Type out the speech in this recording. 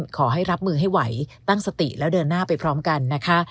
ขอให้รับมือให้ไหวตั้งสติแล้วเดินหน้าไปพร้อมกันนะคะ